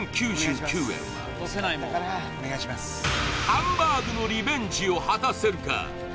ハンバーグのリベンジを果たせるか？